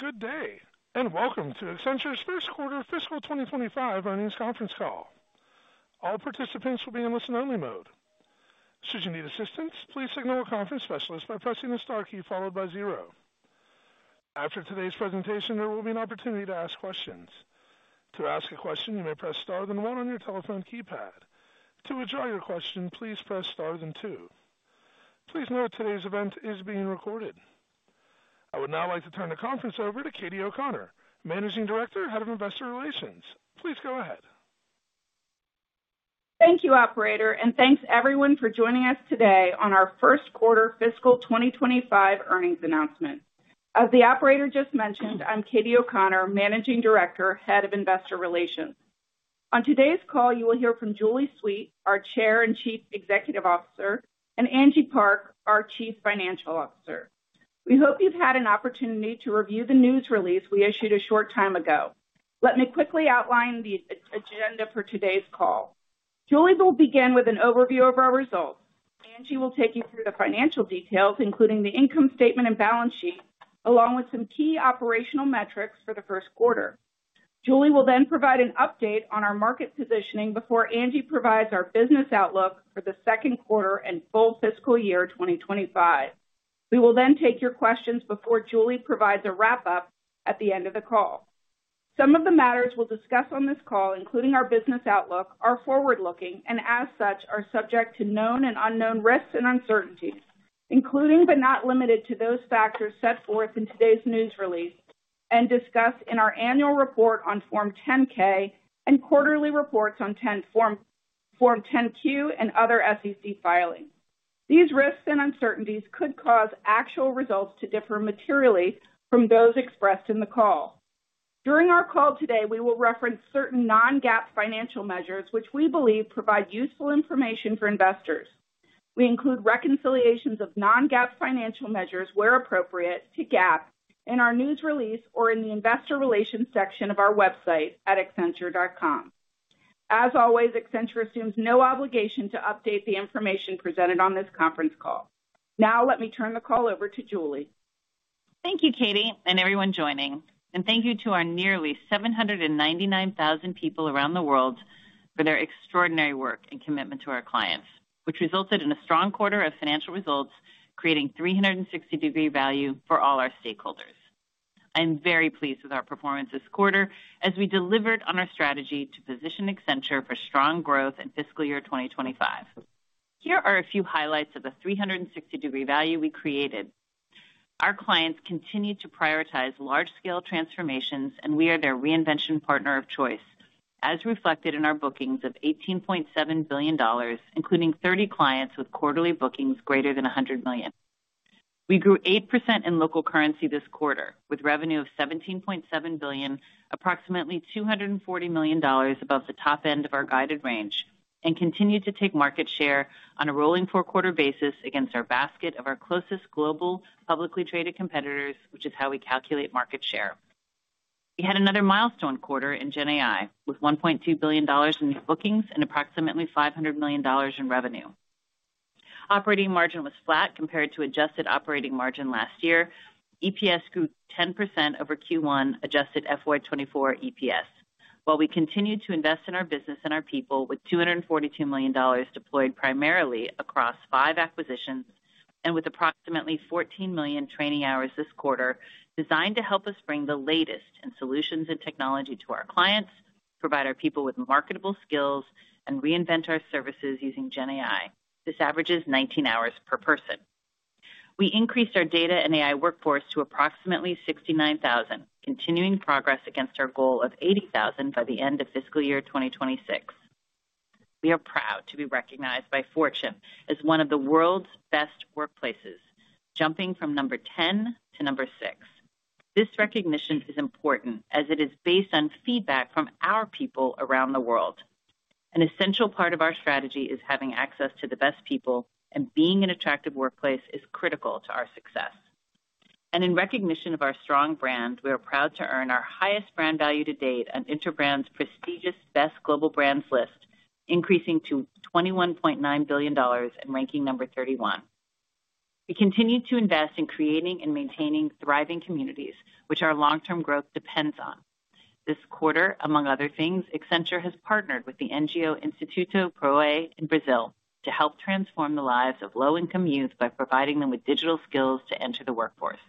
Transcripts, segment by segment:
Good day, and welcome to Accenture's first quarter fiscal 2025 earnings conference call. All participants will be in listen-only mode. Should you need assistance, please signal a conference specialist by pressing the star key followed by zero. After today's presentation, there will be an opportunity to ask questions. To ask a question, you may press star then one on your telephone keypad. To withdraw your question, please press star then two. Please note today's event is being recorded. I would now like to turn the conference over to Katie O'ConnMor, Managing Director, Head of Investor Relations. Please go ahead. Thank you, Operator, and thanks everyone for joining us today on our first quarter fiscal 2025 earnings announcement. As the Operator just mentioned, I'm Katie O'Connor, Managing Director, Head of Investor Relations. On today's call, you will hear from Julie Sweet, our Chair and Chief Executive Officer, and Angie Park, our Chief Financial Officer. We hope you've had an opportunity to review the news release we issued a short time ago. Let me quickly outline the agenda for today's call. Julie will begin with an overview of our results. Angie will take you through the financial details, including the income statement and balance sheet, along with some key operational metrics for the first quarter. Julie will then provide an update on our market positioning before Angie provides our business outlook for the second quarter and full fiscal year 2025. We will then take your questions before Julie provides a wrap-up at the end of the call. Some of the matters we'll discuss on this call, including our business outlook, are forward-looking and, as such, are subject to known and unknown risks and uncertainties, including but not limited to those factors set forth in today's news release and discussed in our annual report on Form 10-K and quarterly reports on Form 10-Q and other SEC filings. These risks and uncertainties could cause actual results to differ materially from those expressed in the call. During our call today, we will reference certain non-GAAP financial measures, which we believe provide useful information for investors. We include reconciliations of non-GAAP financial measures where appropriate to GAAP in our news release or in the investor relations section of our website at Accenture.com. As always, Accenture assumes no obligation to update the information presented on this conference call. Now, let me turn the call over to Julie. Thank you, Katie, and everyone joining, and thank you to our nearly 799,000 people around the world for their extraordinary work and commitment to our clients, which resulted in a strong quarter of financial results creating 360-degree value for all our stakeholders. I am very pleased with our performance this quarter as we delivered on our strategy to position Accenture for strong growth in fiscal year 2025. Here are a few highlights of the 360-degree value we created. Our clients continue to prioritize large-scale transformations, and we are their reinvention partner of choice, as reflected in our bookings of $18.7 billion, including 30 clients with quarterly bookings greater than $100 million. We grew 8% in local currency this quarter, with revenue of $17.7 billion, approximately $240 million above the top end of our guided range, and continue to take market share on a rolling four-quarter basis against our basket of closest global publicly traded competitors, which is how we calculate market share. We had another milestone quarter in GenAI with $1.2 billion in new bookings and approximately $500 million in revenue. Operating margin was flat compared to adjusted operating margin last year. EPS grew 10% over Q1 adjusted FY24 EPS, while we continued to invest in our business and our people with $242 million deployed primarily across five acquisitions and with approximately 14 million training hours this quarter designed to help us bring the latest in solutions and technology to our clients, provide our people with marketable skills, and reinvent our services using GenAI. This averages 19 hours per person. We increased our data and AI workforce to approximately 69,000, continuing progress against our goal of 80,000 by the end of fiscal year 2026. We are proud to be recognized by Fortune as one of the world's best workplaces, jumping from number 10 to number six. This recognition is important as it is based on feedback from our people around the world. An essential part of our strategy is having access to the best people, and being an attractive workplace is critical to our success. And in recognition of our strong brand, we are proud to earn our highest brand value to date on Interbrand's prestigious Best Global Brands list, increasing to $21.9 billion and ranking number 31. We continue to invest in creating and maintaining thriving communities, which our long-term growth depends on. This quarter, among other things, Accenture has partnered with the NGO Instituto PROA in Brazil to help transform the lives of low-income youth by providing them with digital skills to enter the workforce.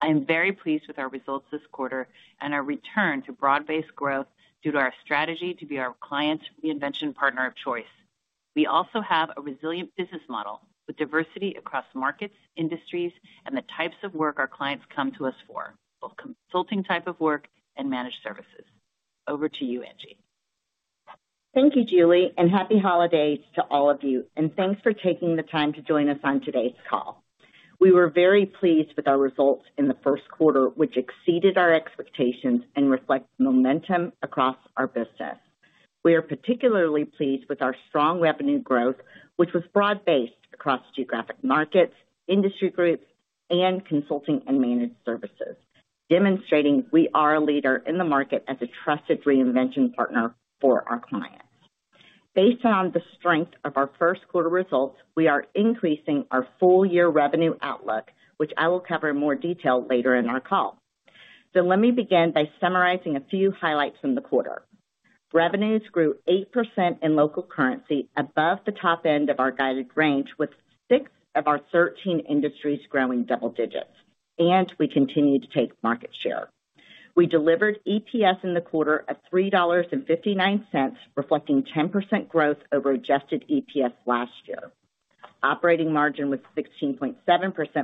I am very pleased with our results this quarter and our return to broad-based growth due to our strategy to be our client's reinvention partner of choice. We also have a resilient business model with diversity across markets, industries, and the types of work our clients come to us for, both consulting type of work and managed services. Over to you, Angie. Thank you, Julie, and happy holidays to all of you. Thanks for taking the time to join us on today's call. We were very pleased with our results in the first quarter, which exceeded our expectations and reflected momentum across our business. We are particularly pleased with our strong revenue growth, which was broad-based across geographic markets, industry groups, and consulting and managed services, demonstrating we are a leader in the market as a trusted reinvention partner for our clients. Based on the strength of our first quarter results, we are increasing our full-year revenue outlook, which I will cover in more detail later in our call. Let me begin by summarizing a few highlights from the quarter. Revenues grew 8% in local currency above the top end of our guided range, with six of our 13 industries growing double digits, and we continue to take market share. We delivered EPS in the quarter of $3.59, reflecting 10% growth over adjusted EPS last year. Operating margin was 16.7%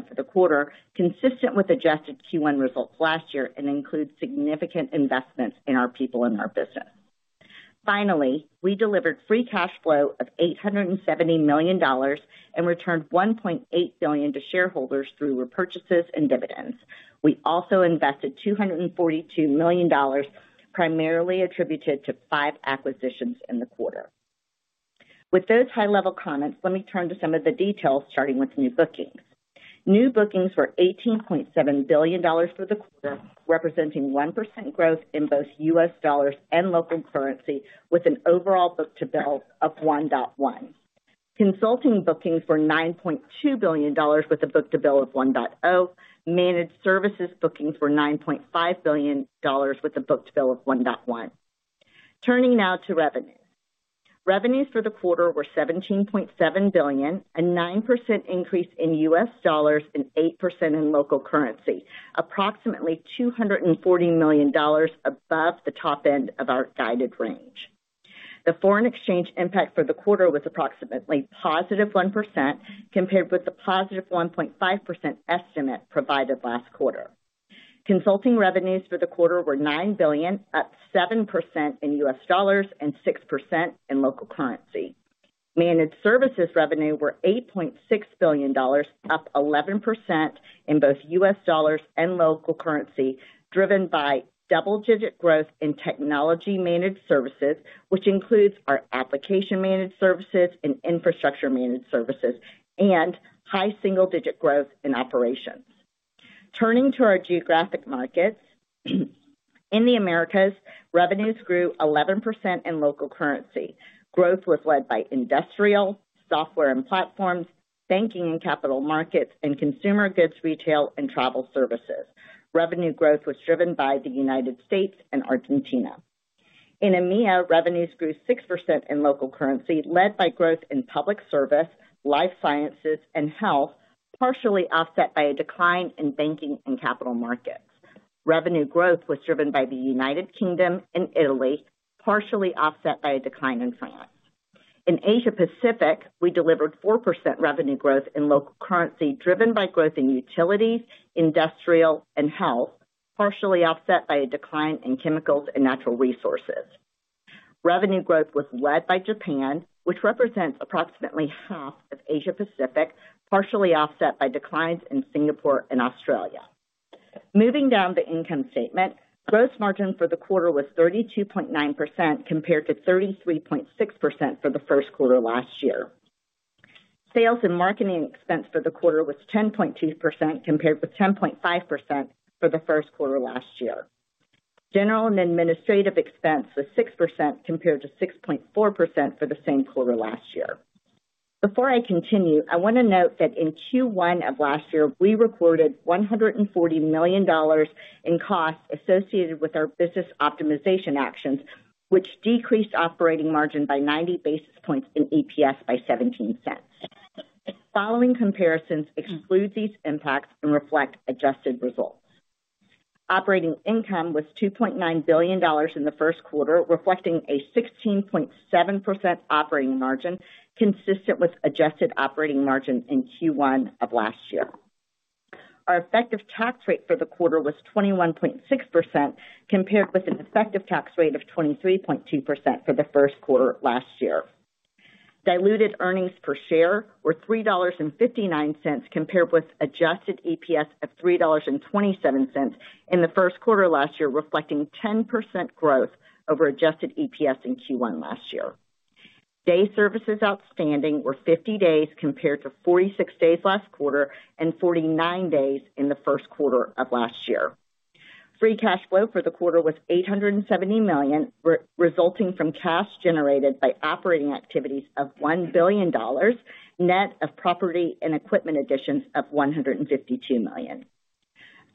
for the quarter, consistent with adjusted Q1 results last year and includes significant investments in our people and our business. Finally, we delivered free cash flow of $870 million and returned $1.8 billion to shareholders through repurchases and dividends. We also invested $242 million, primarily attributed to five acquisitions in the quarter. With those high-level comments, let me turn to some of the details, starting with new bookings. New bookings were $18.7 billion for the quarter, representing 1% growth in both U.S. dollars and local currency, with an overall book-to-bill of $1.1. Consulting bookings were $9.2 billion, with a book-to-bill of $1.0. Managed services bookings were $9.5 billion, with a book-to-bill of $1.1. Turning now to revenues. Revenues for the quarter were $17.7 billion, a 9% increase in U.S. dollars and 8% in local currency, approximately $240 million above the top end of our guided range. The foreign exchange impact for the quarter was approximately positive 1% compared with the positive 1.5% estimate provided last quarter. Consulting revenues for the quarter were $9 billion, up 7% in U.S. dollars and 6% in local currency. Managed services revenue were $8.6 billion, up 11% in both U.S. dollars and local currency, driven by double-digit growth in technology managed services, which includes our application managed services and infrastructure managed services, and high single-digit growth in operations. Turning to our geographic markets, in the Americas, revenues grew 11% in local currency. Growth was led by industrial, software and platforms, banking and capital markets, and consumer goods, retail and travel services. Revenue growth was driven by the United States and Argentina. In EMEA, revenues grew 6% in local currency, led by growth in public service, life sciences, and health, partially offset by a decline in banking and capital markets. Revenue growth was driven by the United Kingdom and Italy, partially offset by a decline in France. In Asia-Pacific, we delivered 4% revenue growth in local currency, driven by growth in utilities, industrial, and health, partially offset by a decline in chemicals and natural resources. Revenue growth was led by Japan, which represents approximately half of Asia-Pacific, partially offset by declines in Singapore and Australia. Moving down the income statement, gross margin for the quarter was 32.9% compared to 33.6% for the first quarter last year. Sales and marketing expense for the quarter was 10.2% compared with 10.5% for the first quarter last year. General and administrative expense was 6% compared to 6.4% for the same quarter last year. Before I continue, I want to note that in Q1 of last year, we recorded $140 million in costs associated with our business optimization actions, which decreased operating margin by 90 basis points and EPS by $0.17. Following comparisons exclude these impacts and reflect adjusted results. Operating income was $2.9 billion in the first quarter, reflecting a 16.7% operating margin, consistent with adjusted operating margin in Q1 of last year. Our effective tax rate for the quarter was 21.6% compared with an effective tax rate of 23.2% for the first quarter last year. Diluted earnings per share were $3.59 compared with adjusted EPS of $3.27 in the first quarter last year, reflecting 10% growth over adjusted EPS in Q1 last year. Days sales outstanding were 50 days compared to 46 days last quarter and 49 days in the first quarter of last year. Free cash flow for the quarter was $870 million, resulting from cash generated by operating activities of $1 billion, net of property and equipment additions of $152 million.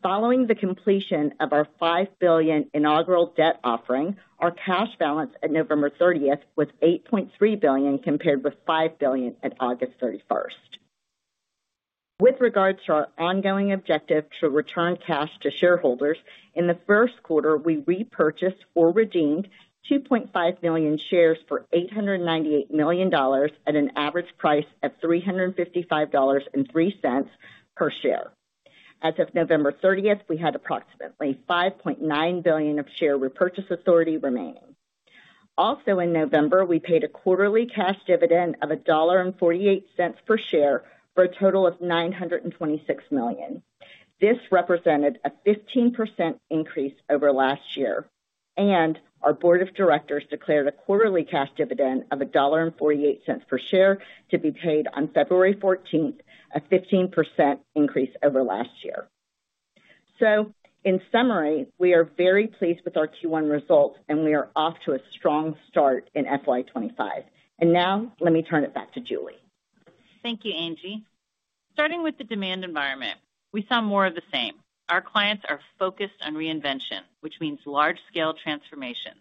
Following the completion of our $5 billion inaugural debt offering, our cash balance at November 30th was $8.3 billion compared with $5 billion at August 31st. With regards to our ongoing objective to return cash to shareholders, in the first quarter, we repurchased or redeemed 2.5 million shares for $898 million at an average price of $355.03 per share. As of November 30th, we had approximately $5.9 billion of share repurchase authority remaining. Also, in November, we paid a quarterly cash dividend of $1.48 per share for a total of $926 million. This represented a 15% increase over last year. And our board of directors declared a quarterly cash dividend of $1.48 per share to be paid on February 14th, a 15% increase over last year. So, in summary, we are very pleased with our Q1 results, and we are off to a strong start in FY25. And now, let me turn it back to Julie. Thank you, Angie. Starting with the demand environment, we saw more of the same. Our clients are focused on reinvention, which means large-scale transformations.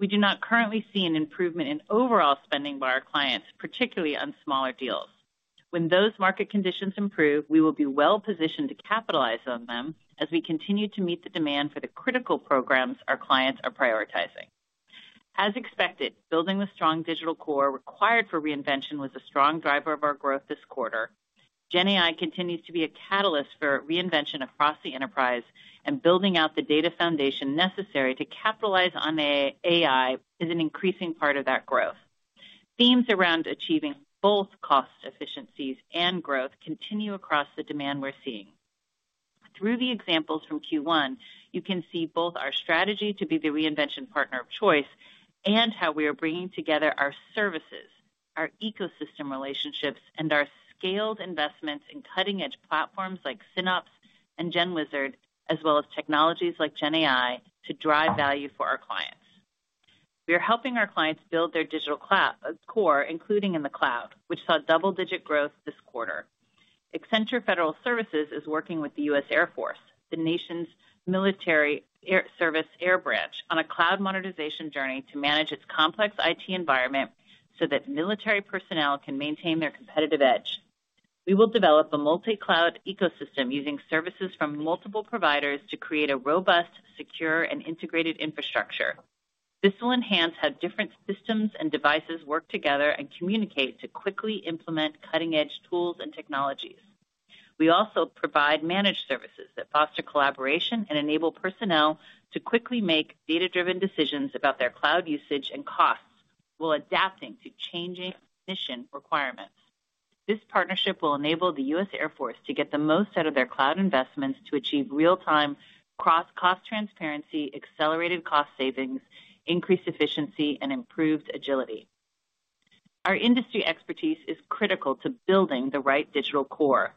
We do not currently see an improvement in overall spending by our clients, particularly on smaller deals. When those market conditions improve, we will be well-positioned to capitalize on them as we continue to meet the demand for the critical programs our clients are prioritizing. As expected, building the strong digital core required for reinvention was a strong driver of our growth this quarter. GenAI continues to be a catalyst for reinvention across the enterprise, and building out the data foundation necessary to capitalize on AI is an increasing part of that growth. Themes around achieving both cost efficiencies and growth continue across the demand we're seeing. Through the examples from Q1, you can see both our strategy to be the reinvention partner of choice and how we are bringing together our services, our ecosystem relationships, and our scaled investments in cutting-edge platforms like SynOps and GenWizard, as well as technologies like GenAI to drive value for our clients. We are helping our clients build their digital core, including in the cloud, which saw double-digit growth this quarter. Accenture Federal Services is working with the U.S. Air Force, the nation's military service air branch, on a cloud modernization journey to manage its complex IT environment so that military personnel can maintain their competitive edge. We will develop a multi-cloud ecosystem using services from multiple providers to create a robust, secure, and integrated infrastructure. This will enhance how different systems and devices work together and communicate to quickly implement cutting-edge tools and technologies. We also provide managed services that foster collaboration and enable personnel to quickly make data-driven decisions about their cloud usage and costs while adapting to changing mission requirements. This partnership will enable the U.S. Air Force to get the most out of their cloud investments to achieve real-time cross-cost transparency, accelerated cost savings, increased efficiency, and improved agility. Our industry expertise is critical to building the right digital core.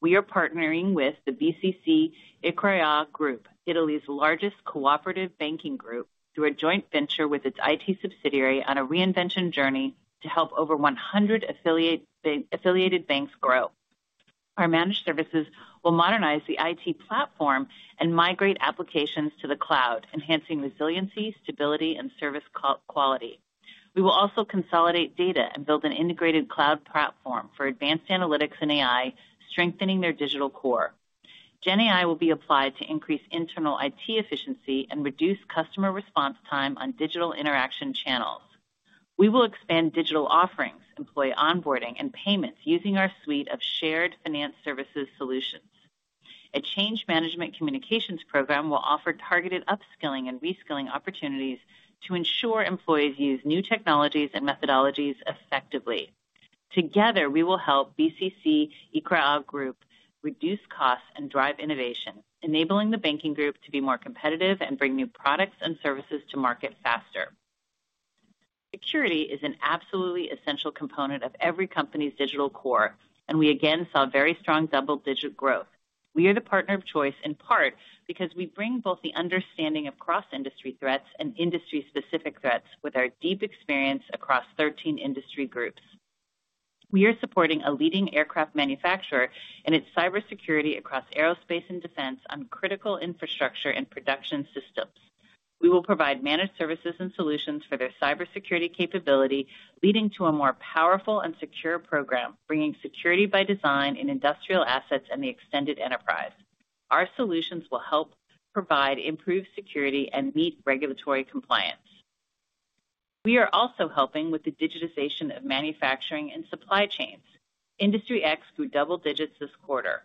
We are partnering with the BCC Iccrea Group, Italy's largest cooperative banking group, through a joint venture with its IT subsidiary on a reinvention journey to help over 100 affiliated banks grow. Our managed services will modernize the IT platform and migrate applications to the cloud, enhancing resiliency, stability, and service quality. We will also consolidate data and build an integrated cloud platform for advanced analytics and AI, strengthening their digital core. GenAI will be applied to increase internal IT efficiency and reduce customer response time on digital interaction channels. We will expand digital offerings, employee onboarding, and payments using our suite of shared finance services solutions. A change management communications program will offer targeted upskilling and reskilling opportunities to ensure employees use new technologies and methodologies effectively. Together, we will help BCC Iccrea Group reduce costs and drive innovation, enabling the banking group to be more competitive and bring new products and services to market faster. Security is an absolutely essential component of every company's digital core, and we again saw very strong double-digit growth. We are the partner of choice in part because we bring both the understanding of cross-industry threats and industry-specific threats with our deep experience across 13 industry groups. We are supporting a leading aircraft manufacturer in its cybersecurity across aerospace and defense on critical infrastructure and production systems. We will provide managed services and solutions for their cybersecurity capability, leading to a more powerful and secure program, bringing security by design in industrial assets and the extended enterprise. Our solutions will help provide improved security and meet regulatory compliance. We are also helping with the digitization of manufacturing and supply chains. Industry X grew double digits this quarter.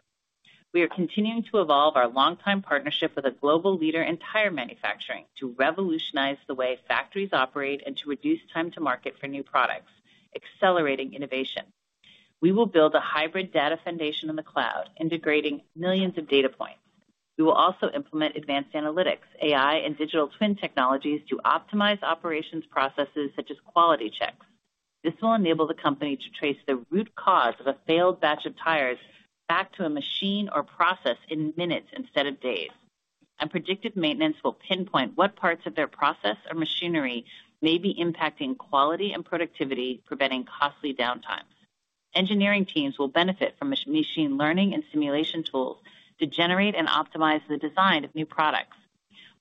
We are continuing to evolve our long-time partnership with a global leader in tire manufacturing to revolutionize the way factories operate and to reduce time to market for new products, accelerating innovation. We will build a hybrid data foundation in the cloud, integrating millions of data points. We will also implement advanced analytics, AI, and digital twin technologies to optimize operations processes such as quality checks. This will enable the company to trace the root cause of a failed batch of tires back to a machine or process in minutes instead of days, and predictive maintenance will pinpoint what parts of their process or machinery may be impacting quality and productivity, preventing costly downtimes. Engineering teams will benefit from machine learning and simulation tools to generate and optimize the design of new products.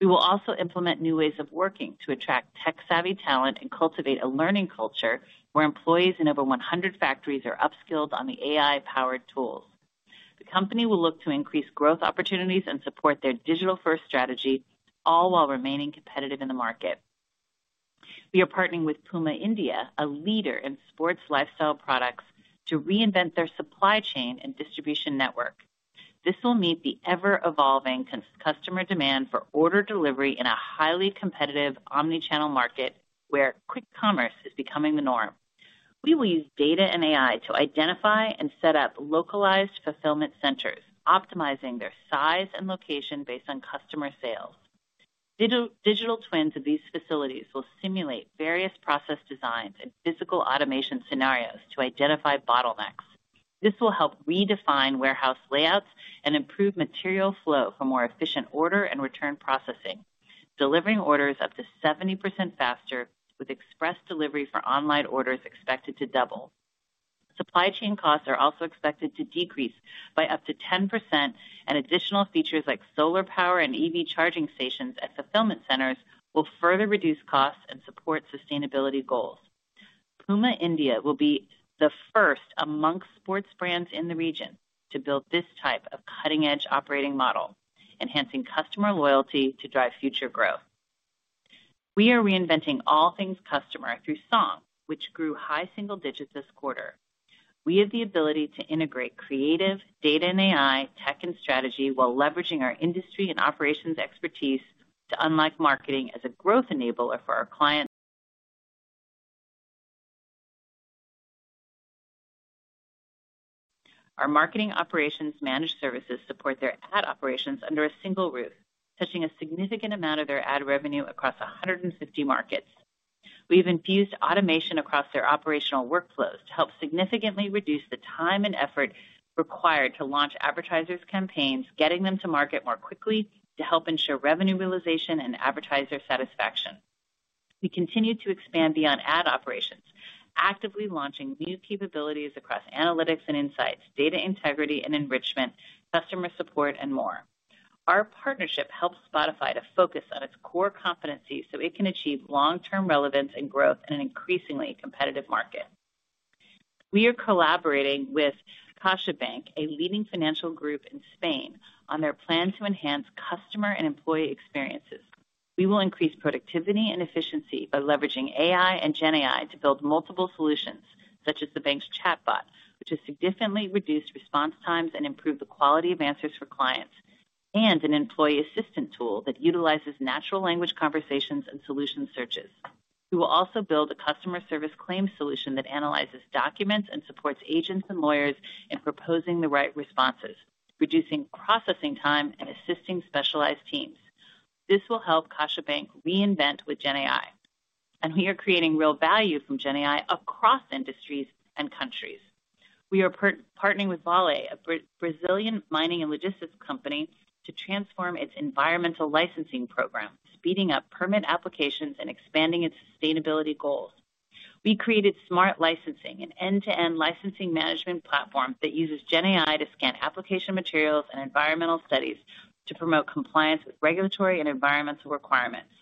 We will also implement new ways of working to attract tech-savvy talent and cultivate a learning culture where employees in over 100 factories are upskilled on the AI-powered tools. The company will look to increase growth opportunities and support their digital-first strategy, all while remaining competitive in the market. We are partnering with Puma India, a leader in sports lifestyle products, to reinvent their supply chain and distribution network. This will meet the ever-evolving customer demand for order delivery in a highly competitive omnichannel market where quick commerce is becoming the norm. We will use data and AI to identify and set up localized fulfillment centers, optimizing their size and location based on customer sales. Digital twins of these facilities will simulate various process designs and physical automation scenarios to identify bottlenecks. This will help redefine warehouse layouts and improve material flow for more efficient order and return processing, delivering orders up to 70% faster, with express delivery for online orders expected to double. Supply chain costs are also expected to decrease by up to 10%, and additional features like solar power and EV charging stations at fulfillment centers will further reduce costs and support sustainability goals. Puma India will be the first amongst sports brands in the region to build this type of cutting-edge operating model, enhancing customer loyalty to drive future growth. We are reinventing all things customer through Song, which grew high single digits this quarter. We have the ability to integrate creative data and AI, tech and strategy, while leveraging our industry and operations expertise to unlock marketing as a growth enabler for our clients. Our marketing operations managed services support their ad operations under a single roof, touching a significant amount of their ad revenue across 150 markets. We've infused automation across their operational workflows to help significantly reduce the time and effort required to launch advertisers' campaigns, getting them to market more quickly to help ensure revenue realization and advertiser satisfaction. We continue to expand beyond ad operations, actively launching new capabilities across analytics and insights, data integrity and enrichment, customer support, and more. Our partnership helps Spotify to focus on its core competencies so it can achieve long-term relevance and growth in an increasingly competitive market. We are collaborating with CaixaBank, a leading financial group in Spain, on their plan to enhance customer and employee experiences. We will increase productivity and efficiency by leveraging AI and GenAI to build multiple solutions, such as the bank's chatbot, which has significantly reduced response times and improved the quality of answers for clients, and an employee assistant tool that utilizes natural language conversations and solution searches. We will also build a customer service claims solution that analyzes documents and supports agents and lawyers in proposing the right responses, reducing processing time and assisting specialized teams. This will help CaixaBank reinvent with GenAI, and we are creating real value from GenAI across industries and countries. We are partnering with Vale, a Brazilian mining and logistics company, to transform its environmental licensing program, speeding up permit applications and expanding its sustainability goals. We created Smart Licensing, an end-to-end licensing management platform that uses GenAI to scan application materials and environmental studies to promote compliance with regulatory and environmental requirements.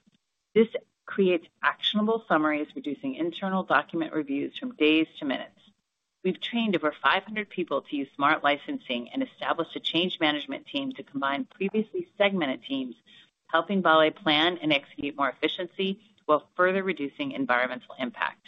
This creates actionable summaries, reducing internal document reviews from days to minutes. We've trained over 500 people to use Smart Licensing and established a change management team to combine previously segmented teams, helping Vale plan and execute more efficiency while further reducing environmental impact.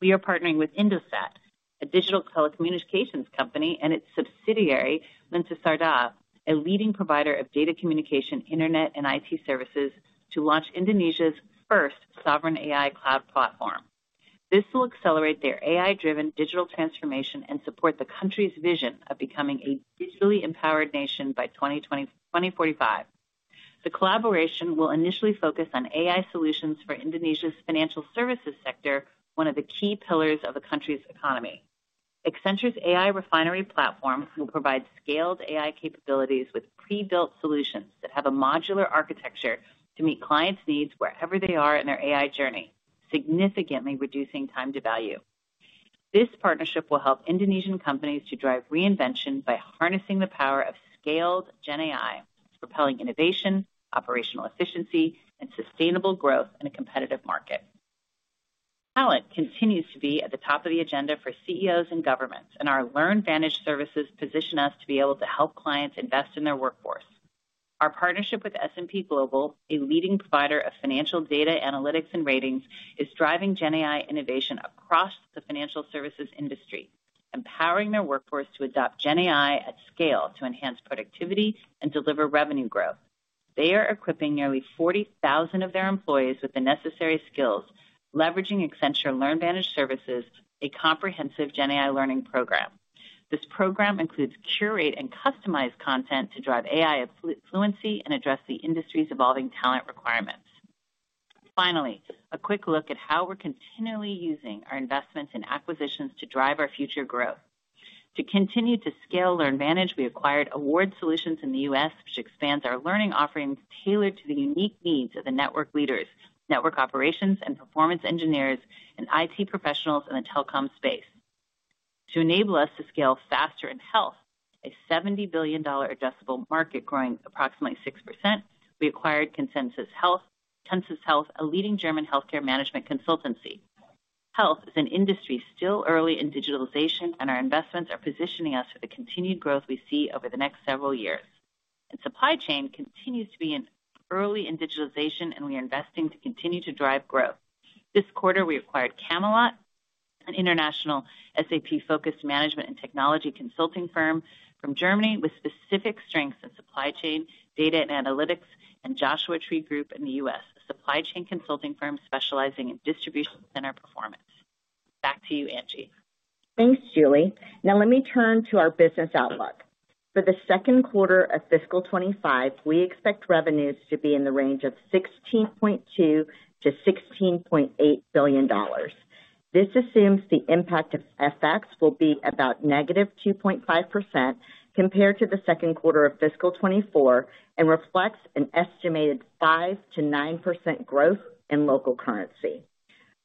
We are partnering with Indosat, a digital telecommunications company, and its subsidiary, Lintasarta, a leading provider of data communication, internet, and IT services, to launch Indonesia's first sovereign AI cloud platform. This will accelerate their AI-driven digital transformation and support the country's vision of becoming a digitally empowered nation by 2045. The collaboration will initially focus on AI solutions for Indonesia's financial services sector, one of the key pillars of the country's economy. Accenture's AI Refinery platform will provide scaled AI capabilities with pre-built solutions that have a modular architecture to meet clients' needs wherever they are in their AI journey, significantly reducing time to value. This partnership will help Indonesian companies to drive reinvention by harnessing the power of scaled GenAI, propelling innovation, operational efficiency, and sustainable growth in a competitive market. Talent continues to be at the top of the agenda for CEOs and governments, and our LearnVantage managed services position us to be able to help clients invest in their workforce. Our partnership with S&P Global, a leading provider of financial data analytics and ratings, is driving GenAI innovation across the financial services industry, empowering their workforce to adopt GenAI at scale to enhance productivity and deliver revenue growth. They are equipping nearly 40,000 of their employees with the necessary skills, leveraging Accenture LearnVantage Managed Services, a comprehensive GenAI learning program. This program includes curated and customized content to drive AI fluency and address the industry's evolving talent requirements. Finally, a quick look at how we're continually using our investments and acquisitions to drive our future growth. To continue to scale LearnVantage Managed, we acquired Award Solutions in the U.S., which expands our learning offerings tailored to the unique needs of the network leaders, network operations, and performance engineers, and IT professionals in the telecom space. To enable us to scale faster in health, a $70 billion addressable market growing approximately 6%, we acquired Consus Health, a leading German healthcare management consultancy. Health is an industry still early in digitalization, and our investments are positioning us for the continued growth we see over the next several years. And supply chain continues to be early in digitalization, and we are investing to continue to drive growth. This quarter, we acquired Camelot, an international SAP-focused management and technology consulting firm from Germany with specific strengths in supply chain, data and analytics, and Joshua Tree Group in the U.S., a supply chain consulting firm specializing in distribution center performance. Back to you, Angie. Thanks, Julie. Now, let me turn to our business outlook. For the second quarter of fiscal 2025, we expect revenues to be in the range of $16.2-$16.8 billion. This assumes the impact of FX will be about negative 2.5% compared to the second quarter of fiscal 24 and reflects an estimated 5%-9% growth in local currency.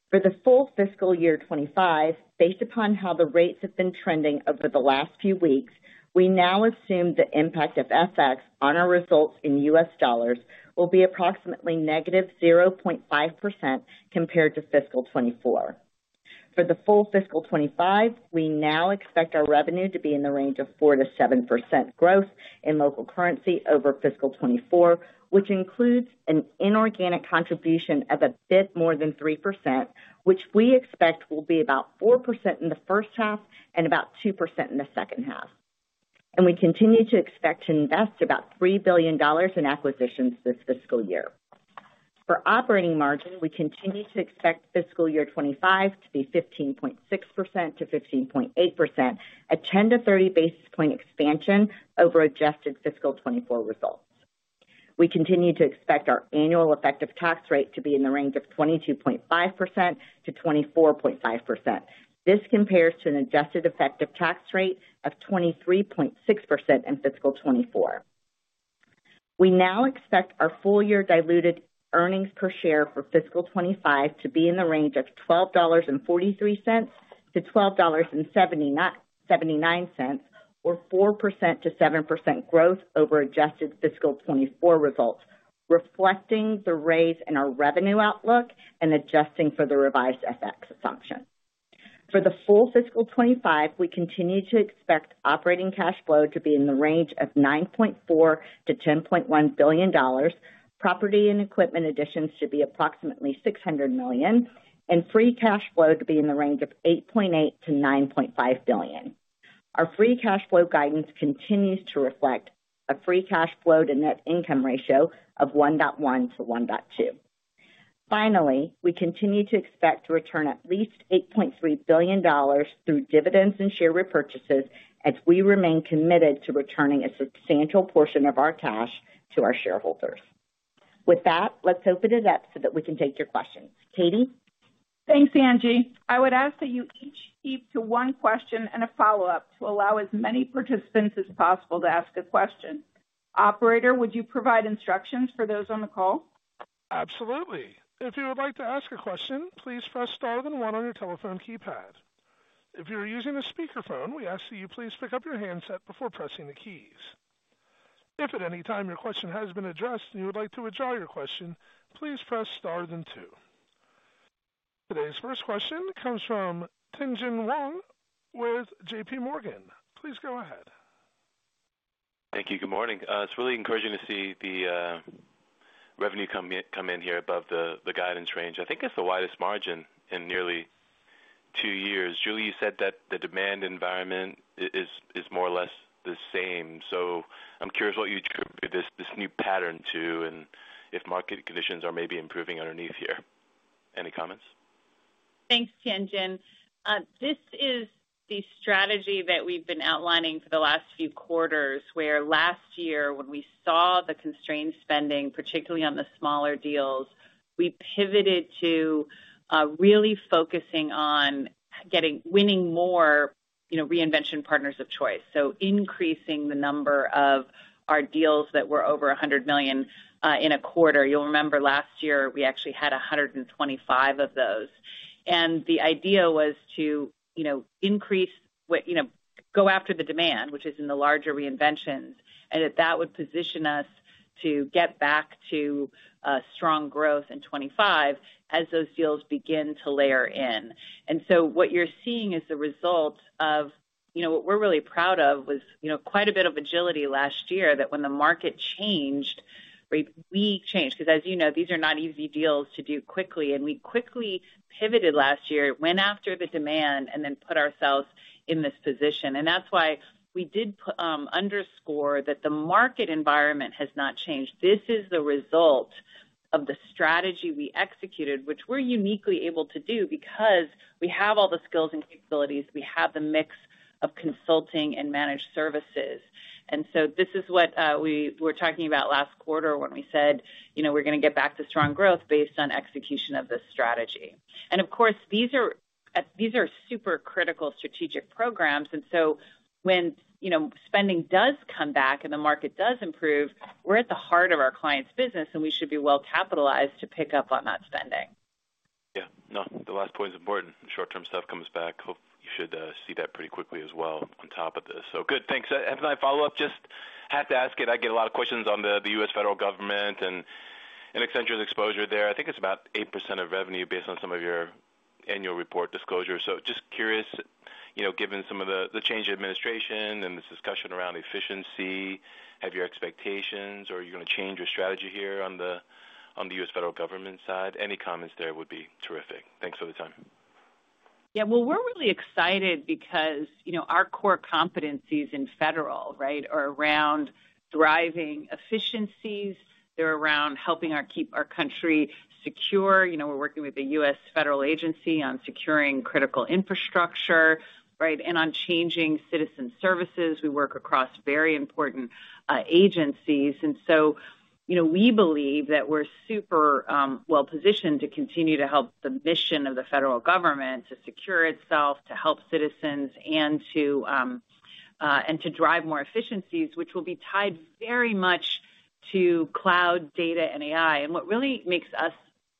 For the full fiscal year 25, based upon how the rates have been trending over the last few weeks, we now assume the impact of FX on our results in U.S. dollars will be approximately negative 0.5% compared to fiscal 24. For the full fiscal 25, we now expect our revenue to be in the range of 4%-7% growth in local currency over fiscal 24, which includes an inorganic contribution of a bit more than 3%, which we expect will be about 4% in the first half and about 2% in the second half. And we continue to expect to invest about $3 billion in acquisitions this fiscal year. For operating margin, we continue to expect fiscal year 25 to be 15.6%-15.8%, a 10 to 30 basis point expansion over adjusted fiscal 24 results. We continue to expect our annual effective tax rate to be in the range of 22.5%-24.5%. This compares to an adjusted effective tax rate of 23.6% in fiscal 24. We now expect our full-year diluted earnings per share for fiscal 25 to be in the range of $12.43-$12.79, or 4%-7% growth over adjusted fiscal 24 results, reflecting the raise in our revenue outlook and adjusting for the revised EPS assumption. For the full fiscal 25, we continue to expect operating cash flow to be in the range of $9.4-$10.1 billion. Property and equipment additions should be approximately $600 million, and free cash flow to be in the range of $8.8-$9.5 billion. Our free cash flow guidance continues to reflect a free cash flow to net income ratio of 1.1 to 1.2. Finally, we continue to expect to return at least $8.3 billion through dividends and share repurchases as we remain committed to returning a substantial portion of our cash to our shareholders. With that, let's open it up so that we can take your questions. Katie? Thanks, Angie. I would ask that you each keep to one question and a follow-up to allow as many participants as possible to ask a question. Operator, would you provide instructions for those on the call? Absolutely. If you would like to ask a question, please press star then one on your telephone keypad. If you're using a speakerphone, we ask that you please pick up your handset before pressing the keys. If at any time your question has been addressed and you would like to withdraw your question, please press star then two. Today's first question comes from Tien-Tsin Huang with JP Morgan. Please go ahead. Thank you. Good morning. It's really encouraging to see the revenue come in here above the guidance range. I think it's the widest margin in nearly two years. Julie, you said that the demand environment is more or less the same. So I'm curious what you attribute this new pattern to and if market conditions are maybe improving underneath here. Any comments? Thanks, Tien-Tsin. This is the strategy that we've been outlining for the last few quarters, where last year, when we saw the constrained spending, particularly on the smaller deals, we pivoted to really focusing on winning more reinvention partners of choice. Increasing the number of our deals that were over $100 million in a quarter. You'll remember last year, we actually had 125 of those. The idea was to go after the demand, which is in the larger reinventions, and that would position us to get back to strong growth in 2025 as those deals begin to layer in. What you're seeing is the result of what we're really proud of was quite a bit of agility last year that when the market changed, we changed. Because as you know, these are not easy deals to do quickly, and we quickly pivoted last year, went after the demand, and then put ourselves in this position. That's why we did underscore that the market environment has not changed. This is the result of the strategy we executed, which we're uniquely able to do because we have all the skills and capabilities. We have the mix of consulting and managed services, and so this is what we were talking about last quarter when we said we're going to get back to strong growth based on execution of this strategy, and of course, these are super critical strategic programs, and so when spending does come back and the market does improve, we're at the heart of our clients' business, and we should be well capitalized to pick up on that spending. Yeah. No, the last point is important. Short-term stuff comes back. You should see that pretty quickly as well on top of this, so good. Thanks. I have my follow-up. Just had to ask it. I get a lot of questions on the U.S. federal government and Accenture's exposure there. I think it's about 8% of revenue based on some of your annual report disclosure. So just curious, given some of the change in administration and this discussion around efficiency, have your expectations or are you going to change your strategy here on the U.S. federal government side? Any comments there would be terrific. Thanks for the time. Yeah. Well, we're really excited because our core competencies in federal are around driving efficiencies. They're around helping keep our country secure. We're working with the U.S. federal agency on securing critical infrastructure and on changing citizen services. We work across very important agencies. We believe that we're super well-positioned to continue to help the mission of the federal government to secure itself, to help citizens, and to drive more efficiencies, which will be tied very much to cloud, data, and AI. What really makes us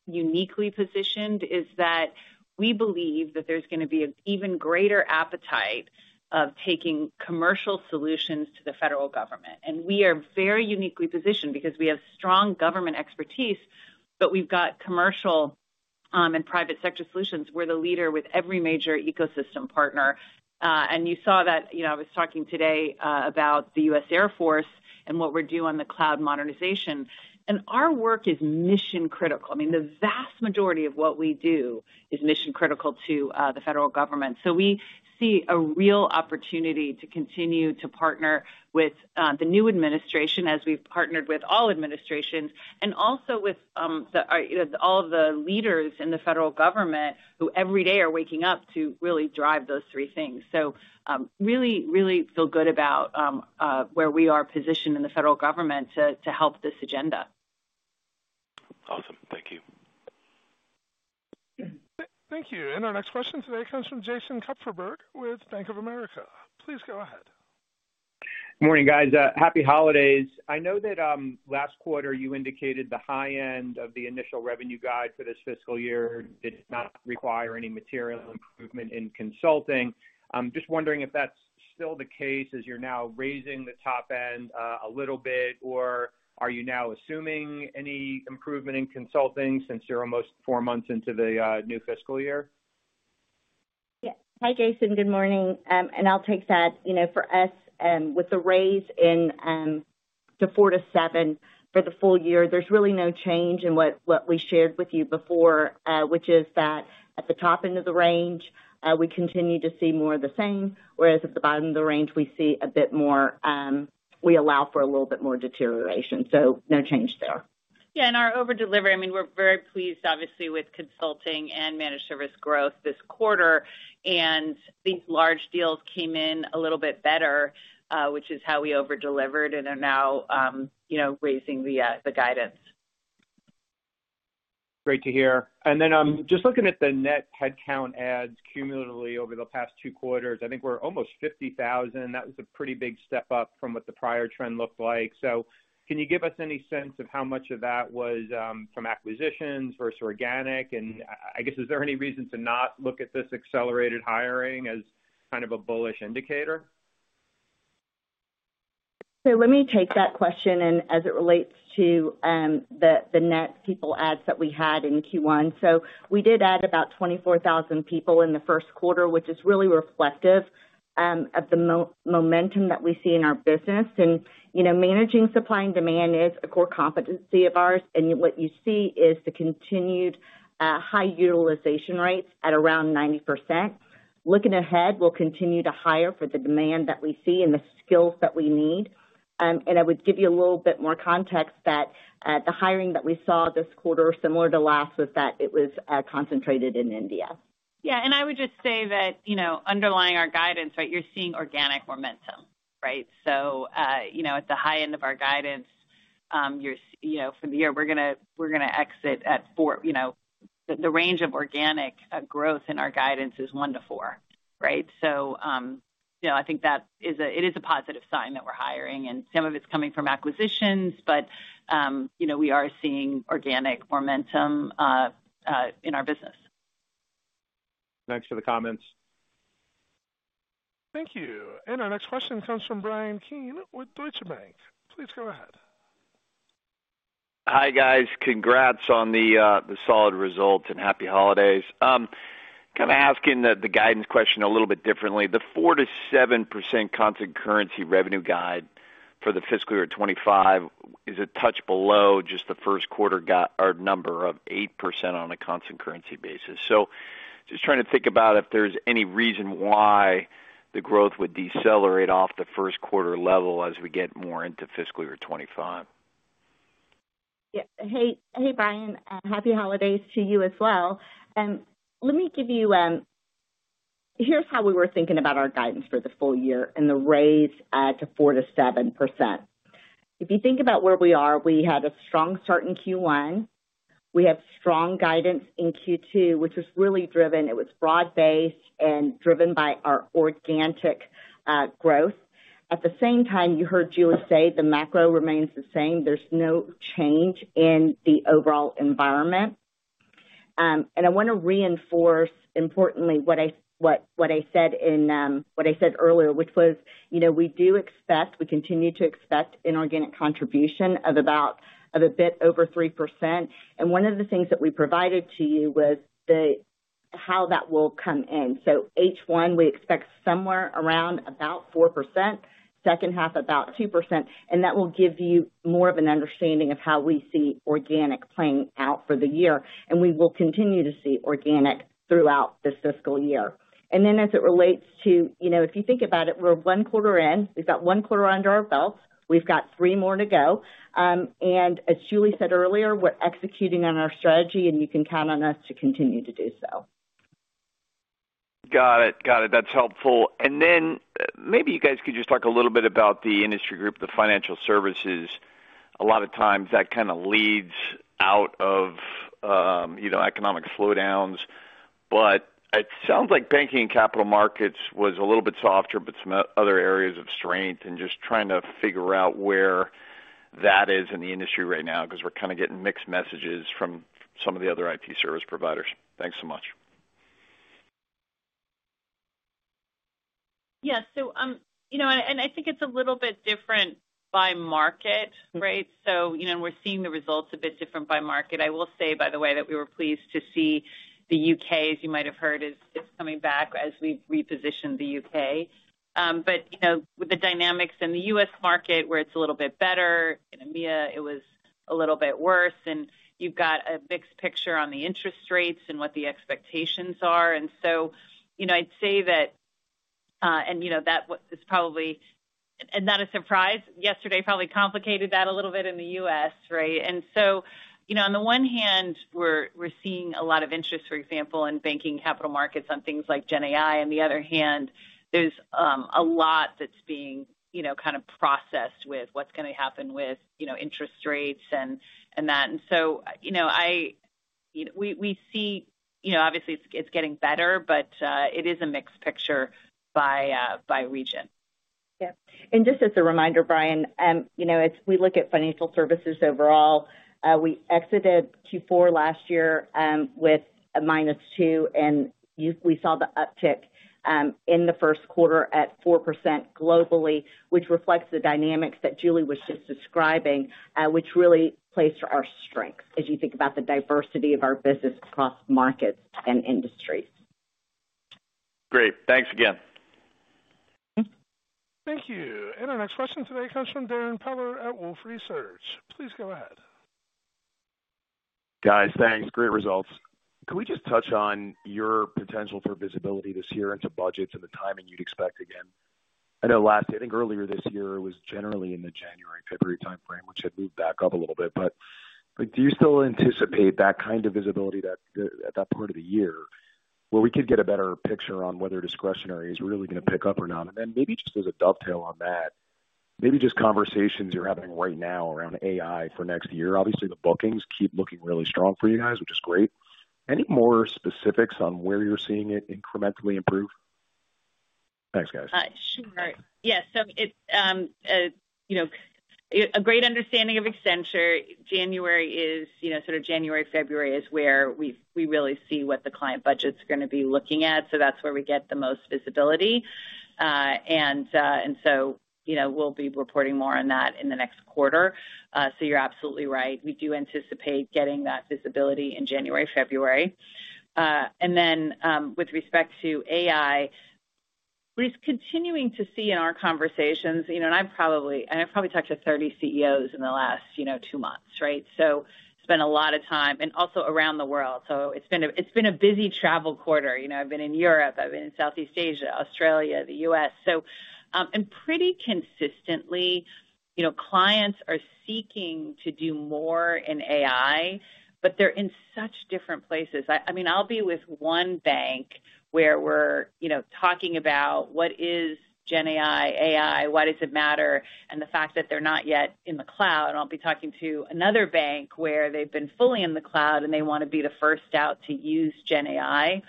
uniquely positioned is that we believe that there's going to be an even greater appetite of taking commercial solutions to the federal government. We are very uniquely positioned because we have strong government expertise, but we've got commercial and private sector solutions. We're the leader with every major ecosystem partner. You saw that I was talking today about the U.S. Air Force and what we're doing on the cloud modernization. Our work is mission-critical. I mean, the vast majority of what we do is mission-critical to the federal government. So we see a real opportunity to continue to partner with the new administration as we've partnered with all administrations and also with all of the leaders in the federal government who every day are waking up to really drive those three things. So really, really feel good about where we are positioned in the federal government to help this agenda. Awesome. Thank you. Thank you. And our next question today comes from Please go ahead. Good morning, guys. Happy holidays. I know that last quarter, you indicated the high end of the initial revenue guide for this fiscal year did not require any material improvement in consulting. I'm just wondering if that's still the case as you're now raising the top end a little bit, or are you now assuming any improvement in consulting since you're almost four months into the new fiscal year? Hi, Jason. Good morning. And I'll take that. For us, with the raise in the four to seven for the full year, there's really no change in what we shared with you before, which is that at the top end of the range, we continue to see more of the same, whereas at the bottom of the range, we see a bit more we allow for a little bit more deterioration. So no change there. Yeah. And our overdelivery, I mean, we're very pleased, obviously, with consulting and managed service growth this quarter. And these large deals came in a little bit better, which is how we overdelivered, and are now raising the guidance. Great to hear. And then just looking at the net headcount adds cumulatively over the past two quarters, I think we're almost 50,000. That was a pretty big step up from what the prior trend looked like. So can you give us any sense of how much of that was from acquisitions versus organic? And I guess, is there any reason to not look at this accelerated hiring as kind of a bullish indicator? So let me take that question as it relates to the net people adds that we had in Q1. So we did add about 24,000 people in the first quarter, which is really reflective of the momentum that we see in our business. And managing supply and demand is a core competency of ours. And what you see is the continued high utilization rates at around 90%. Looking ahead, we'll continue to hire for the demand that we see and the skills that we need. And I would give you a little bit more context that the hiring that we saw this quarter, similar to last, was that it was concentrated in India. Yeah. And I would just say that underlying our guidance, you're seeing organic momentum. So at the high end of our guidance for the year, we're going to exit at 4%. The range of organic growth in our guidance is 1%-4%. So I think that it is a positive sign that we're hiring. And some of it's coming from acquisitions, but we are seeing organic momentum in our business. Thanks for the comments. Thank you. And our next question comes from Bryan Keane with Deutsche Bank. Please go ahead. Hi, guys. Congrats on the solid results and happy holidays. Kind of asking the guidance question a little bit differently. The 4%-7% constant currency revenue guide for the fiscal year 2025 is a touch below just the first quarter number of 8% on a constant currency basis. So just trying to think about if there's any reason why the growth would decelerate off the first quarter level as we get more into fiscal year 2025. Yeah. Hey, Brian. Happy holidays to you as well. Let me give you. Here's how we were thinking about our guidance for the full year and the raise to 4%-7%. If you think about where we are, we had a strong start in Q1. We have strong guidance in Q2, which was really driven. It was broad-based and driven by our organic growth. At the same time, you heard Julie say the macro remains the same. There's no change in the overall environment. And I want to reinforce, importantly, what I said earlier, which was we do expect, we continue to expect inorganic contribution of about a bit over 3%. And one of the things that we provided to you was how that will come in. So H1, we expect somewhere around about 4%. Second half, about 2%. And that will give you more of an understanding of how we see organic playing out for the year. And we will continue to see organic throughout this fiscal year. And then as it relates to if you think about it, we're one quarter in. We've got one quarter under our belt. We've got three more to go. And as Julie said earlier, we're executing on our strategy, and you can count on us to continue to do so. Got it. Got it. That's helpful. And then maybe you guys could just talk a little bit about the industry group, the financial services. A lot of times, that kind of leads out of economic slowdowns. But it sounds like banking and capital markets was a little bit softer, but some other areas of strength, and just trying to figure out where that is in the industry right now because we're kind of getting mixed messages from some of the other IT service providers. Thanks so much. Yeah. And I think it's a little bit different by market. So we're seeing the results a bit different by market. I will say, by the way, that we were pleased to see the U.K., as you might have heard, is coming back as we've repositioned the U.K., but with the dynamics in the U.S. market, where it's a little bit better, in EMEA, it was a little bit worse, and you've got a mixed picture on the interest rates and what the expectations are, and so I'd say that and that was probably not a surprise. Yesterday probably complicated that a little bit in the U.S., and so on the one hand, we're seeing a lot of interest, for example, in banking and capital markets on things like GenAI. On the other hand, there's a lot that's being kind of processed with what's going to happen with interest rates and that, and so we see, obviously, it's getting better, but it is a mixed picture by region. Yeah. Just as a reminder, Bryan, as we look at financial services overall, we exited Q4 last year with a -2%, and we saw the uptick in the first quarter at 4% globally, which reflects the dynamics that Julie was just describing, which really placed our strengths as you think about the diversity of our business across markets and industries. Great. Thanks again. Thank you. Our next question today comes from Darrin Peller at Wolfe Research. Please go ahead. Guys, thanks. Great results. Can we just touch on your potential for visibility this year into budgets and the timing you'd expect again? I know last, I think earlier this year, it was generally in the January, February timeframe, which had moved back up a little bit. But do you still anticipate that kind of visibility at that part of the year where we could get a better picture on whether discretionary is really going to pick up or not? And then maybe just as a dovetail on that, maybe just conversations you're having right now around AI for next year. Obviously, the bookings keep looking really strong for you guys, which is great. Any more specifics on where you're seeing it incrementally improve? Thanks, guys. Sure. Yeah. So a great understanding of Accenture, January is sort of January, February is where we really see what the client budget's going to be looking at. So that's where we get the most visibility. And so we'll be reporting more on that in the next quarter. So you're absolutely right. We do anticipate getting that visibility in January, February. And then with respect to AI, we're just continuing to see in our conversations, and I've probably talked to 30 CEOs in the last two months. So it's been a lot of time and also around the world. So it's been a busy travel quarter. I've been in Europe. I've been in Southeast Asia, Australia, the U.S. And pretty consistently, clients are seeking to do more in AI, but they're in such different places. I mean, I'll be with one bank where we're talking about what is GenAI, AI, why does it matter, and the fact that they're not yet in the cloud. And I'll be talking to another bank where they've been fully in the cloud, and they want to be the first out to use GenAI.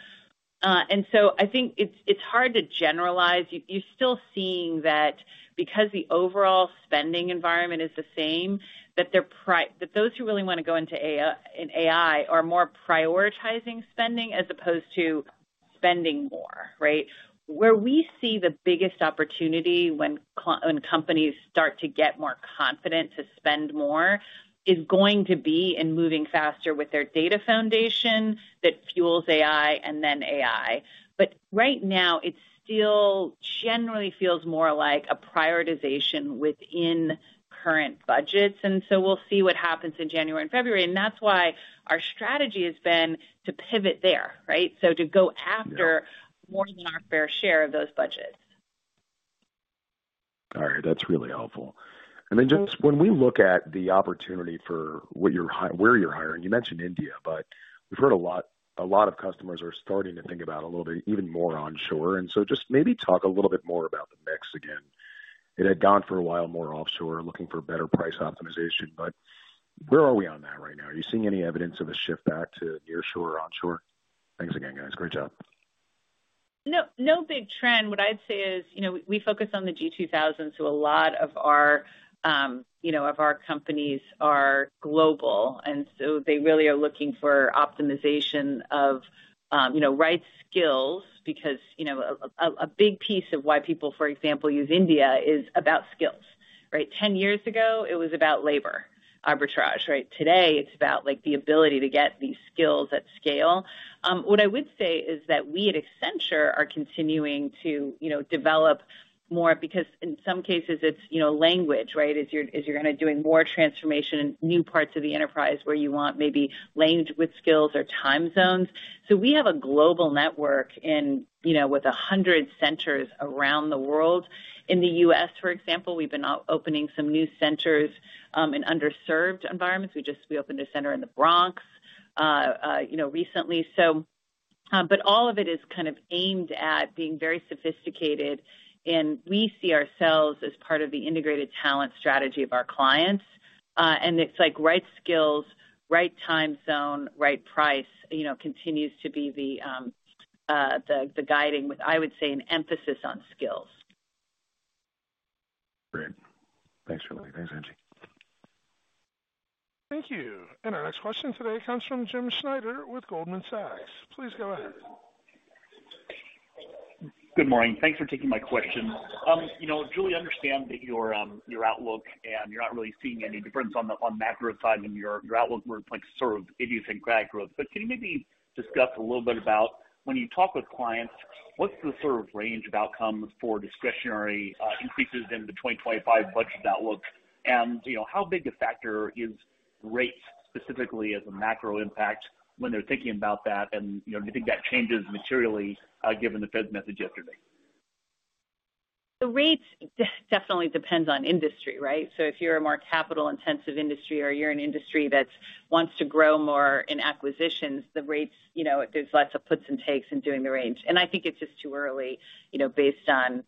And so I think it's hard to generalize. You're still seeing that because the overall spending environment is the same, that those who really want to go into AI are more prioritizing spending as opposed to spending more. Where we see the biggest opportunity when companies start to get more confident to spend more is going to be in moving faster with their data foundation that fuels AI and then AI, but right now, it still generally feels more like a prioritization within current budgets, and so we'll see what happens in January and February, and that's why our strategy has been to pivot there, so to go after more than our fair share of those budgets. All right. That's really helpful, and then just when we look at the opportunity for where you're hiring, you mentioned India, but we've heard a lot of customers are starting to think about a little bit even more onshore. So just maybe talk a little bit more about the mix again. It had gone for a while more offshore, looking for better price optimization. But where are we on that right now? Are you seeing any evidence of a shift back to nearshore or onshore? Thanks again, guys. Great job. No big trend. What I'd say is we focus on the G2000, so a lot of our companies are global. They really are looking for optimization of right skills because a big piece of why people, for example, use India is about skills. 10 years ago, it was about labor arbitrage. Today, it's about the ability to get these skills at scale. What I would say is that we at Accenture are continuing to develop more because in some cases, it's language. As you're kind of doing more transformation in new parts of the enterprise where you want maybe language with skills or time zones. So we have a global network with 100 centers around the world. In the U.S., for example, we've been opening some new centers in underserved environments. We opened a center in the Bronx recently. But all of it is kind of aimed at being very sophisticated. And we see ourselves as part of the integrated talent strategy of our clients. And it's like right skills, right time zone, right price continues to be the guiding with, I would say, an emphasis on skills. Great. Thanks, Julie. Thanks, Angie. Thank you. And our next question today comes from Jim Schneider with Goldman Sachs. Please go ahead. Good morning. Thanks for taking my question. Julie, I understand that your outlook, and you're not really seeing any difference on the macro side in your outlook with sort of idiosyncratic growth. But can you maybe discuss a little bit about when you talk with clients, what's the sort of range of outcomes for discretionary increases in the 2025 budget outlook? And how big a factor is rates specifically as a macro impact when they're thinking about that? And do you think that changes materially given the Fed's message yesterday? The rates definitely depend on industry. So if you're a more capital-intensive industry or you're an industry that wants to grow more in acquisitions, the rates, there's lots of puts and takes in doing the range. And I think it's just too early based on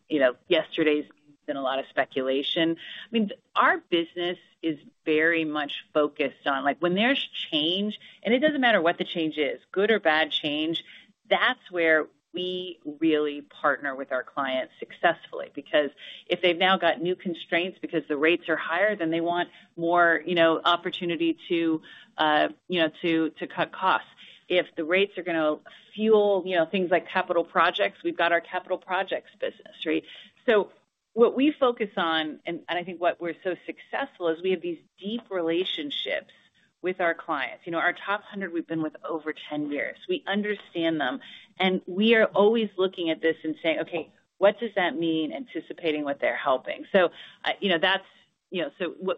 yesterday's been a lot of speculation. I mean, our business is very much focused on when there's change, and it doesn't matter what the change is, good or bad change, that's where we really partner with our clients successfully. Because if they've now got new constraints because the rates are higher, then they want more opportunity to cut costs. If the rates are going to fuel things like capital projects, we've got our capital projects business. So what we focus on, and I think what we're so successful is we have these deep relationships with our clients. Our top 100, we've been with over 10 years. We understand them. And we are always looking at this and saying, "Okay, what does that mean?" anticipating what they're helping. So that's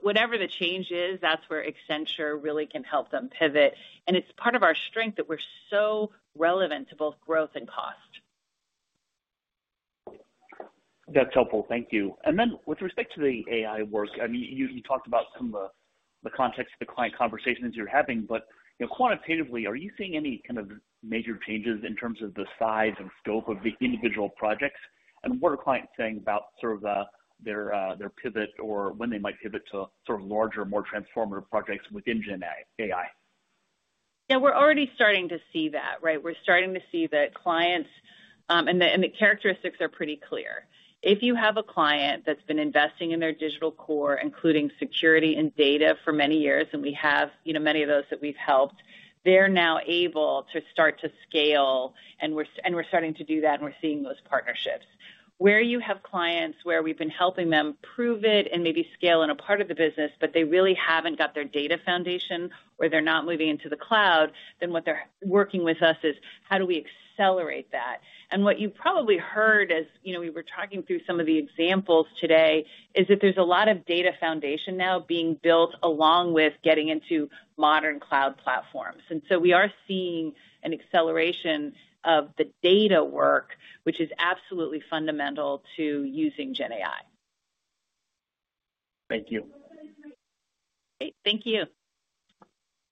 whatever the change is, that's where Accenture really can help them pivot. And it's part of our strength that we're so relevant to both growth and cost. That's helpful. Thank you. And then with respect to the AI work, I mean, you talked about some of the context of the client conversations you're having. But quantitatively, are you seeing any kind of major changes in terms of the size and scope of the individual projects? And what are clients saying about sort of their pivot or when they might pivot to sort of larger, more transformative projects within GenAI? Yeah. We're already starting to see that. We're starting to see that clients and the characteristics are pretty clear. If you have a client that's been investing in their digital core, including security and data for many years, and we have many of those that we've helped, they're now able to start to scale. And we're starting to do that, and we're seeing those partnerships. Where you have clients where we've been helping them prove it and maybe scale in a part of the business, but they really haven't got their data foundation or they're not moving into the cloud, then what they're working with us is how do we accelerate that? And what you probably heard as we were talking through some of the examples today is that there's a lot of data foundation now being built along with getting into modern cloud platforms. And so we are seeing an acceleration of the data work, which is absolutely fundamental to using GenAI. Thank you. Great. Thank you.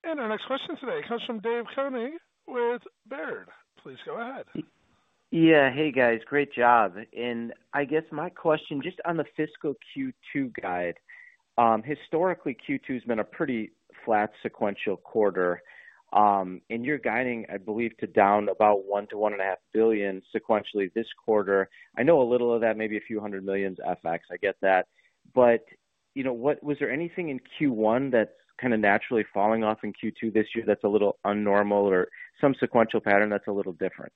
And our next question today comes from Dave Koning with Baird. Please go ahead. Yeah. Hey, guys. Great job. And I guess my question just on the fiscal Q2 guide. Historically, Q2 has been a pretty flat sequential quarter. You're guiding, I believe, to down about $1 billion-$1.5 billion sequentially this quarter. I know a little of that, maybe a few hundred million, FX. I get that. But was there anything in Q1 that's kind of naturally falling off in Q2 this year that's a little abnormal or some sequential pattern that's a little different?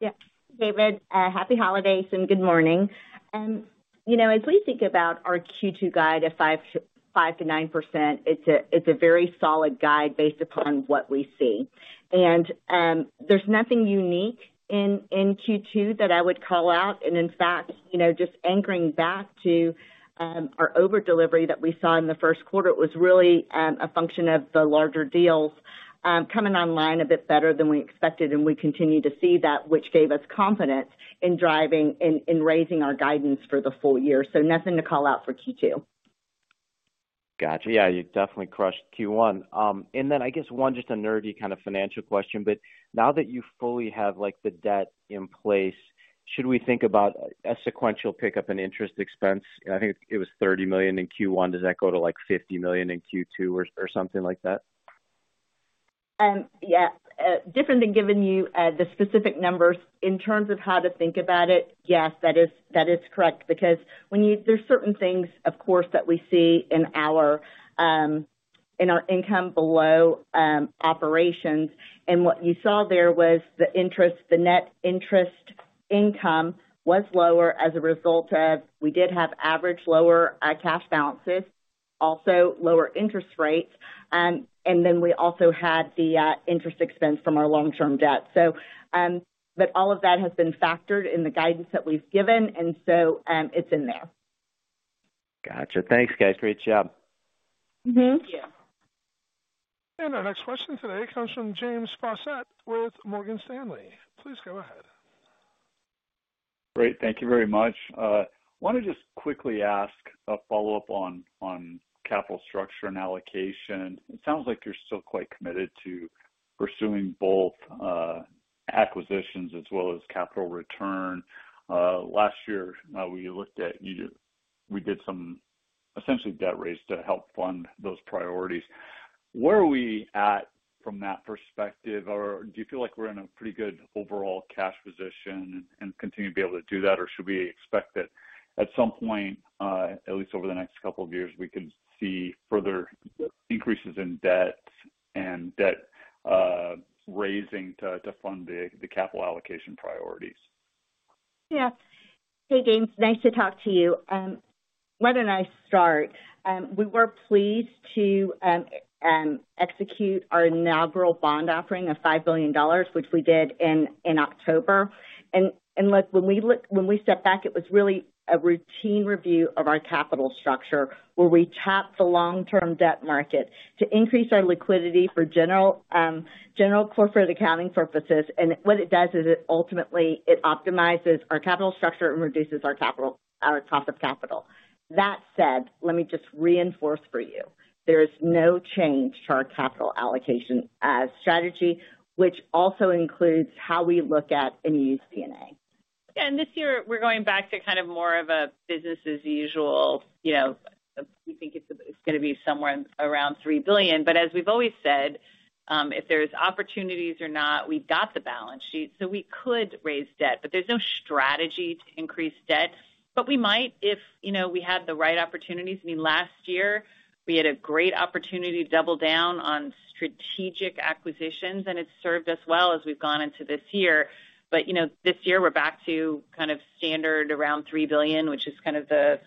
Yeah. David, happy holidays and good morning. As we think about our Q2 guide, a 5%-9%, it's a very solid guide based upon what we see. There's nothing unique in Q2 that I would call out. In fact, just anchoring back to our overdelivery that we saw in the first quarter, it was really a function of the larger deals coming online a bit better than we expected. We continue to see that, which gave us confidence in driving and raising our guidance for the full year. So nothing to call out for Q2. Gotcha. Yeah. You definitely crushed Q1. And then I guess one just a nerdy kind of financial question. But now that you fully have the debt in place, should we think about a sequential pickup in interest expense? I think it was $30 million in Q1. Does that go to $50 million in Q2 or something like that? Yeah. Different than giving you the specific numbers in terms of how to think about it, yes, that is correct. Because there's certain things, of course, that we see in our income below operations. And what you saw there was the net interest income was lower as a result of we did have average lower cash balances, also lower interest rates. And then we also had the interest expense from our long-term debt. But all of that has been factored in the guidance that we've given. And so it's in there. Gotcha. Thanks, guys. Great job. Thank you. And our next question today comes from James Faucette with Morgan Stanley. Please go ahead. Great. Thank you very much. I want to just quickly ask a follow-up on capital structure and allocation. It sounds like you're still quite committed to pursuing both acquisitions as well as capital return. Last year, we looked at we did some essentially debt raise to help fund those priorities. Where are we at from that perspective? Or do you feel like we're in a pretty good overall cash position and continue to be able to do that? Or should we expect that at some point, at least over the next couple of years, we could see further increases in debt and debt raising to fund the capital allocation priorities? Yeah. Hey, James. Nice to talk to you. What a nice start. We were pleased to execute our inaugural bond offering of $5 billion, which we did in October, and when we stepped back, it was really a routine review of our capital structure where we tapped the long-term debt market to increase our liquidity for general corporate accounting purposes, and what it does is it ultimately optimizes our capital structure and reduces our cost of capital. That said, let me just reinforce for you, there is no change to our capital allocation strategy, which also includes how we look at and use debt. Yeah, and this year, we're going back to kind of more of a business-as-usual. We think it's going to be somewhere around $3 billion. But as we've always said, if there's opportunities or not, we've got the balance sheet. So we could raise debt. But there's no strategy to increase debt. But we might if we had the right opportunities. I mean, last year, we had a great opportunity to double down on strategic acquisitions. And it's served us well as we've gone into this year. But this year, we're back to kind of standard around $3 billion, which is kind of the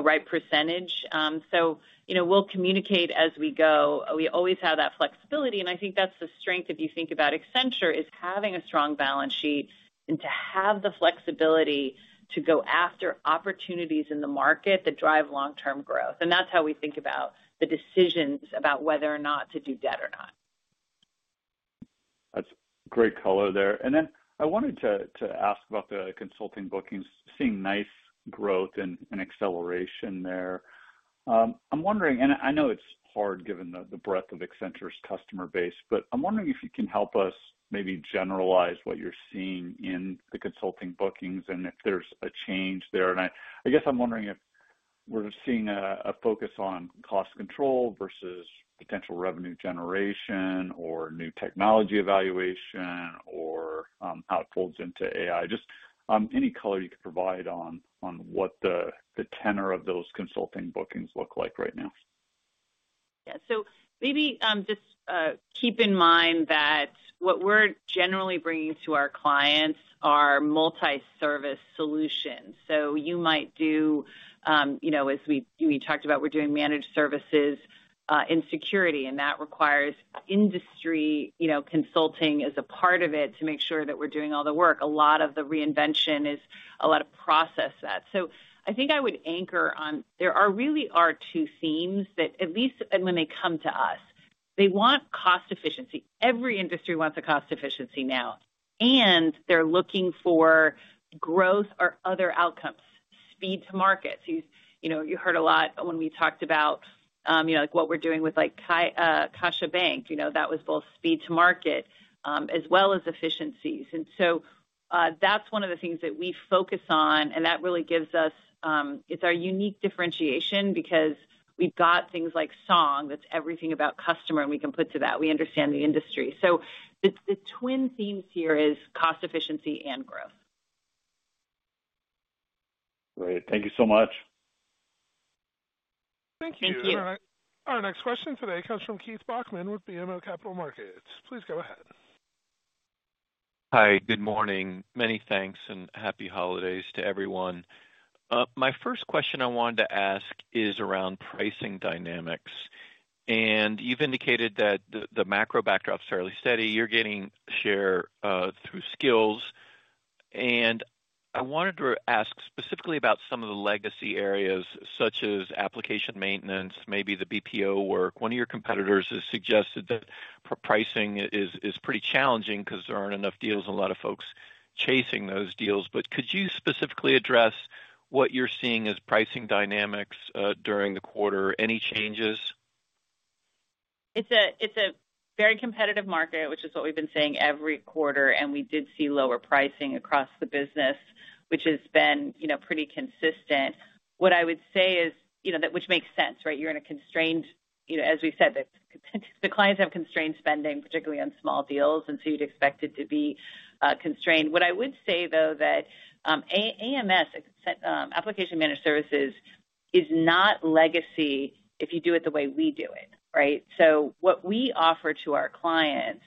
right percentage. So we'll communicate as we go. We always have that flexibility. And I think that's the strength if you think about Accenture is having a strong balance sheet and to have the flexibility to go after opportunities in the market that drive long-term growth. And that's how we think about the decisions about whether or not to do debt or not. That's great color there. And then I wanted to ask about the consulting bookings, seeing nice growth and acceleration there. I'm wondering, and I know it's hard given the breadth of Accenture's customer base, but I'm wondering if you can help us maybe generalize what you're seeing in the consulting bookings and if there's a change there. And I guess I'm wondering if we're seeing a focus on cost control versus potential revenue generation or new technology evaluation or how it folds into AI. Just any color you could provide on what the tenor of those consulting bookings look like right now. Yeah. So maybe just keep in mind that what we're generally bringing to our clients are multi-service solutions. So you might do, as we talked about, we're doing managed services in security. And that requires industry consulting as a part of it to make sure that we're doing all the work. A lot of the reinvention is a lot of process that. So I think I would anchor on there really are two themes that at least when they come to us, they want cost efficiency. Every industry wants a cost efficiency now. And they're looking for growth or other outcomes, speed to market. So you heard a lot when we talked about what we're doing with CaixaBank. That was both speed to market as well as efficiencies. And so that's one of the things that we focus on. And that really gives us it's our unique differentiation because we've got things like Song that's everything about customer, and we can put to that. We understand the industry. So the twin themes here is cost efficiency and growth. Great. Thank you. Thank you. And our next question today comes from. Please go ahead. Hi. Good morning. Many thanks and happy holidays to everyone. My first question I wanted to ask is around pricing dynamics. And you've indicated that the macro backdrop's fairly steady. You're getting share through skills. And I wanted to ask specifically about some of the legacy areas such as application maintenance, maybe the BPO work. One of your competitors has suggested that pricing is pretty challenging because there aren't enough deals and a lot of folks chasing those deals. But could you specifically address what you're seeing as pricing dynamics during the quarter? Any changes? It's a very competitive market, which is what we've been saying every quarter. And we did see lower pricing across the business, which has been pretty consistent. What I would say is, which makes sense, right? You're in a constrained, as we said, the clients have constrained spending, particularly on small deals. And so you'd expect it to be constrained. What I would say, though, that AMS, Application Managed Services, is not legacy if you do it the way we do it, right? So what we offer to our clients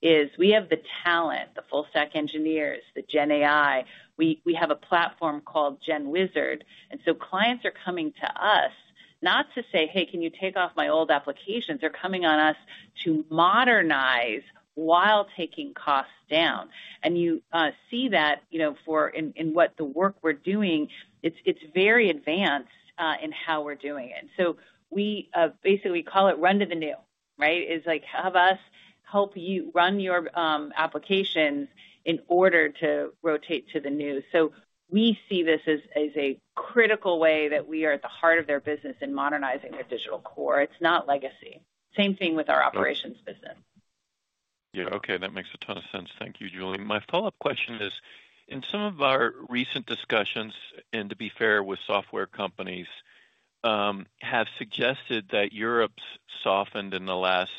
is we have the talent, the full-stack engineers, the GenAI. We have a platform called GenWizard. And so clients are coming to us not to say, "Hey, can you take over my old applications?" They're coming to us to modernize while taking costs down. And you see that in what the work we're doing, it's very advanced in how we're doing it. So basically, we call it run to the new, right? It's like have us help you run your applications in order to rotate to the new. So we see this as a critical way that we are at the heart of their business in modernizing their digital core. It's not legacy. Same thing with our operations business. Yeah. Okay. That makes a ton of sense. Thank you, Julie. My follow-up question is, in some of our recent discussions, and to be fair, with software companies, have suggested that Europe's softened in the last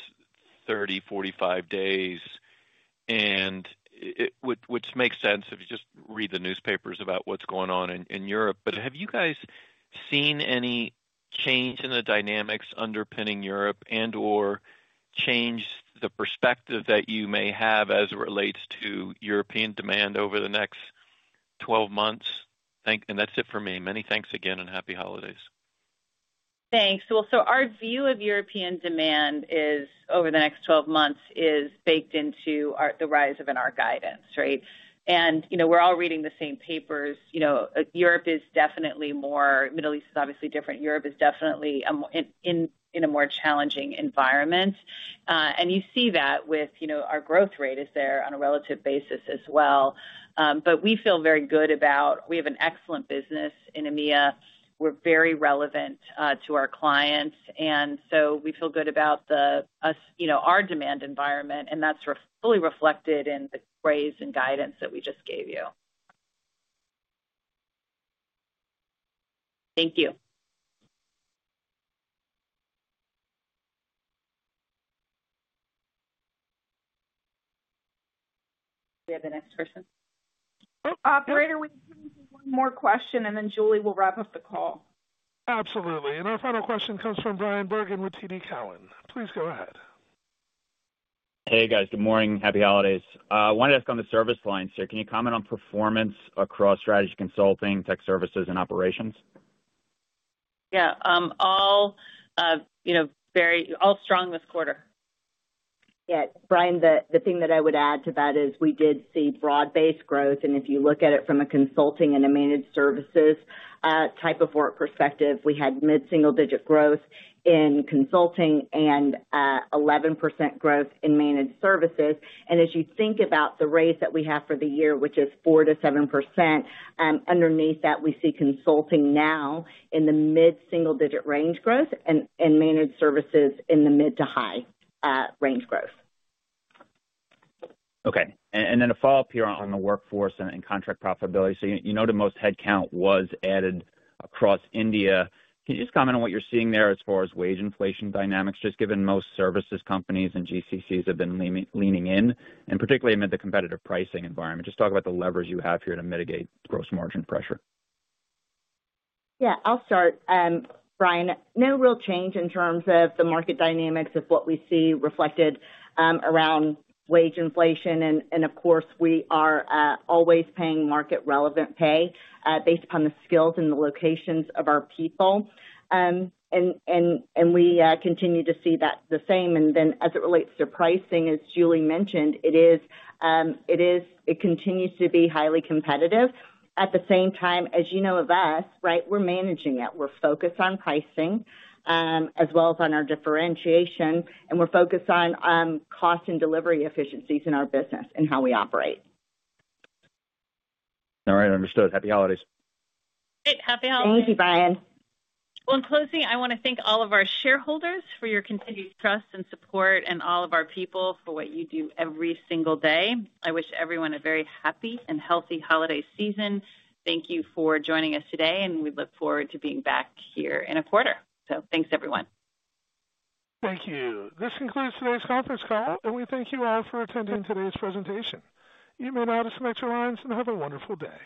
30, 45 days, which makes sense if you just read the newspapers about what's going on in Europe. But have you guys seen any change in the dynamics underpinning Europe and/or changed the perspective that you may have as it relates to European demand over the next 12 months? And that's it for me. Many thanks again and happy holidays. Thanks. Well, so our view of European demand over the next 12 months is baked into the rise of our guidance, right? And we're all reading the same papers. Europe is definitely more. Middle East is obviously different. Europe is definitely in a more challenging environment. And you see that with our growth rate is there on a relative basis as well. But we feel very good about. We have an excellent business in EMEA. We're very relevant to our clients. And so we feel good about our demand environment. And that's fully reflected in the raise and guidance that we just gave you. Thank you. We have the next person. Operator, we need one more question, and then Julie will wrap up the call. Absolutely. And our final question comes from Bryan Bergin with TD Cowen. Please go ahead. Hey, guys. Good morning. Happy holidays. I wanted to ask on the service line, sir. Can you comment on performance across strategy consulting, tech services, and operations? Yeah. All strong this quarter. Yeah. Brian, the thing that I would add to that is we did see broad-based growth, and if you look at it from a consulting and a managed services type of work perspective, we had mid-single-digit growth in consulting and 11% growth in managed services. And as you think about the rate that we have for the year, which is 4%-7%, underneath that, we see consulting now in the mid-single-digit range growth and managed services in the mid-to-high range growth. Okay, and then a follow-up here on the workforce and contract profitability. So you noted most headcount was added across India. Can you just comment on what you're seeing there as far as wage inflation dynamics, just given most services companies and GCCs have been leaning in, and particularly amid the competitive pricing environment? Just talk about the levers you have here to mitigate gross margin pressure. Yeah. I'll start, Brian. No real change in terms of the market dynamics of what we see reflected around wage inflation. And of course, we are always paying market-relevant pay based upon the skills and the locations of our people. And we continue to see that the same. And then as it relates to pricing, as Julie mentioned, it continues to be highly competitive. At the same time, as you know of us, right, we're managing it. We're focused on pricing as well as on our differentiation. And we're focused on cost and delivery efficiencies in our business and how we operate. All right. Understood. Happy holidays. Great. Happy holidays. Thank you, Brian. Well, in closing, I want to thank all of our shareholders for your continued trust and support and all of our people for what you do every single day. I wish everyone a very happy and healthy holiday season. Thank you for joining us today, and we look forward to being back here in a quarter, so thanks, everyone. Thank you. This concludes today's conference call, and we thank you all for attending today's presentation. You may now disconnect your lines and have a wonderful day.